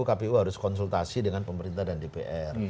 kpu harus konsultasi dengan pemerintah dan dpr